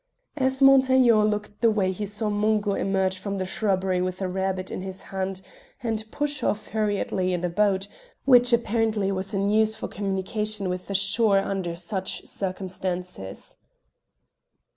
As Montaiglon looked he saw Mungo emerge from the shrubbery with a rabbit in his hand and push off hurriedly in a little boat, which apparently was in use for communication with the shore under such circumstances.